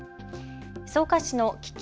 草加市の危機